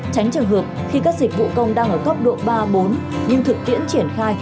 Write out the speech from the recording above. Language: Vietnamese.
tránh trường hợp khi các dịch vụ công đang ở cấp độ ba bốn nhưng thực tiễn triển khai